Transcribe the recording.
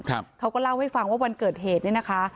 เขาก็เล่าให้ฟังว่าวันเกิดเหตุเนี่ยนะคะ